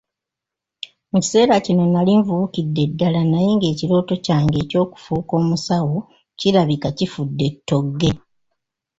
Mu kiseera kino nali nvubukidde ddala naye ng'ekirooto kyange eky'okufuuka omusawo kirabika kifudde ttogge.